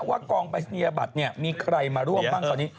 ว่ากองปรายศนียบัตรมีใครมาร่วมบ้างตอนนี้